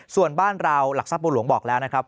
ส่วนบ้านเราหลักทรัพย์บุหลวงบอกแล้วนะครับ